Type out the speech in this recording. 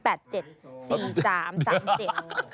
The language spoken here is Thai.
สี่สามสามเจ๋ง